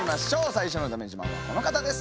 最初のだめ自慢はこの方です。